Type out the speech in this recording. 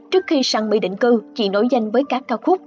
trước khi sang bị định cư chị nối danh với các ca khúc